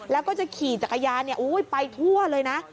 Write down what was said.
แล้วก็จะขี่จักรยานไปทั่วเลยนะ